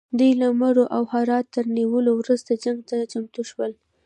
دوی له مرو او هرات تر نیولو وروسته جنګ ته چمتو شول.